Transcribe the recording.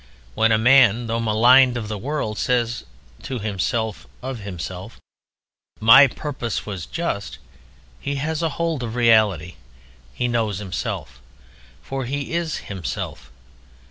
When a man, though maligned of the world, says to himself of himself, "My purpose was just," he has hold of reality. He knows himself, for he is himself.